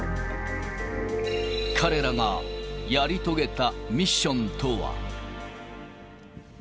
彼らがやり遂げたミッションとは。